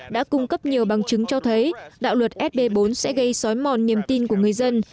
đã cung cấp nhiều bằng chứng cho thấy đạo luật sp bốn sẽ gây xói mòn niềm tin của người dân